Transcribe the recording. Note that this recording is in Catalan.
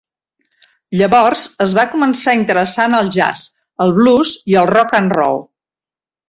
Llavors es va començar a interessar en el jazz, el blues i el rock and roll.